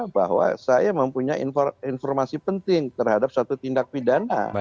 bahwa saya mempunyai informasi penting terhadap suatu tindak pidana